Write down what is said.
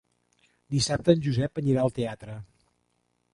Dissabte en Josep anirà al teatre.